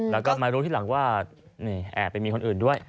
แล้วก็มารู้ทีหลังว่าแอบไปมีคนอื่นด้วย